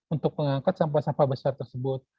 untuk mengangkat sampah sampah besar tersebut